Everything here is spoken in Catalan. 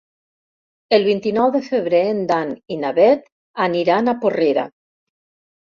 El vint-i-nou de febrer en Dan i na Bet aniran a Porrera.